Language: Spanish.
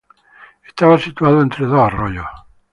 Estaba situado entre dos arroyos.